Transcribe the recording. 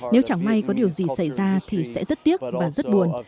nếu chẳng may có điều gì xảy ra thì sẽ rất tiếc và rất buồn